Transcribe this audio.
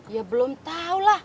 ya belum tahu lah